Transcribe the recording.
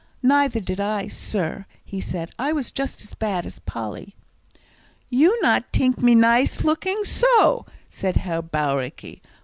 "Neither did I, sir," he said. "I was just as bad as Polly." "You not tink me nice looking so?" said Herr Bauricke.